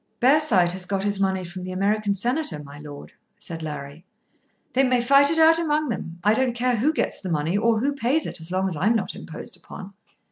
"Bearside has got his money from the American Senator, my lord," said Larry. "They may fight it out among them. I don't care who gets the money or who pays it as long as I'm not imposed upon."